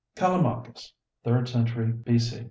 CALLIMACHUS (Third Century B.